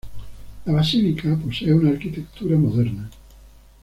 La basílica posee una arquitectura moderna.